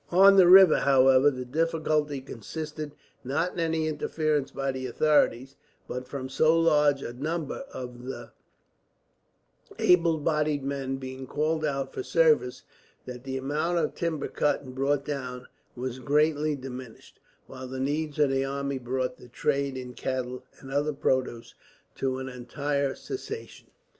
On the river, however, the difficulty consisted, not in any interference by the authorities, but from so large a number of the able bodied men being called out for service that the amount of timber cut and brought down was greatly diminished, while the needs of the army brought the trade in cattle and other produce to an entire cessation.